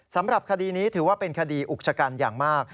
สำหรับคดีนี้ถือว่าเป็นคดีอุกชะกันอย่างมาก